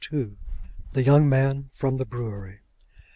THE YOUNG MAN FROM THE BREWERY.